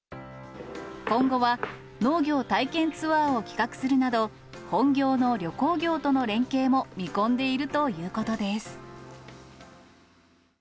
今後は農業体験ツアーを企画するなど、本業の旅行業との連携も見込んでいるということです。